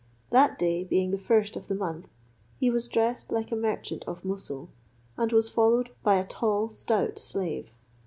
That day, being the first of the month, he was dressed like a merchant of Moussul, and was followed by a tall stout slave.